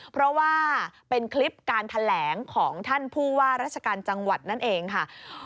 เพราะว่าเป็นคลิปการแถลงของท่านผู้ว่าราชการจังหวัดนั่นเองค่ะ